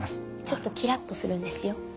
ちょっとキラっとするんですよ。